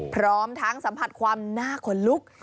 พร้อมทั้งสัมผัสความหน้าขนลุก